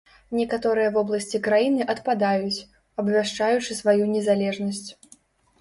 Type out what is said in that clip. Некаторыя вобласці краіны адпадаюць, абвяшчаючы сваю незалежнасць.